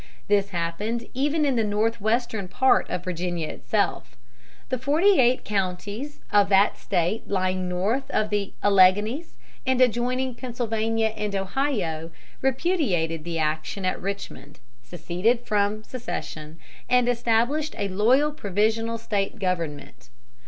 This happened even in the northwestern part of Virginia itself. The forty eight counties of that State lying north of the Alleghanies and adjoining Pennsylvania and Ohio repudiated the action at Richmond, seceded from secession, and established a loyal provisional State government.